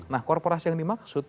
nah korporasi yang dimaksud